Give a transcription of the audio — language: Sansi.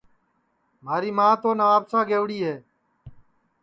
مھاری ماں تو نوابشاہ گئیوڑِ ہے